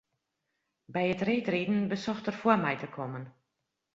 By it reedriden besocht er foar my te kommen.